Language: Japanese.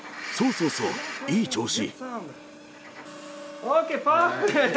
そうそう、いい調子。